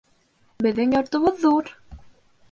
Беҙҙең йортобоҙ ҙур